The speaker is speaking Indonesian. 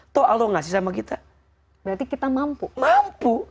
berarti kita mampu